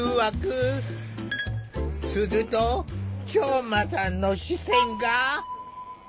するとショウマさんの視線が。